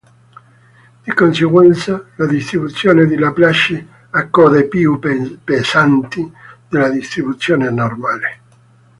Di conseguenza, la distribuzione di Laplace ha "code" più pesanti della distribuzione normale.